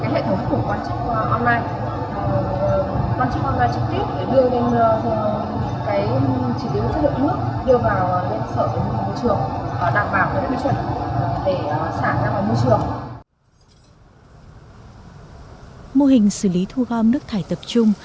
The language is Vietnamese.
làm sao để xử lý thu gom nước thải tập trung